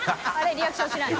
リアクションしない。